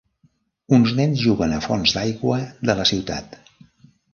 Uns nens juguen a fonts d'aigua de la ciutat.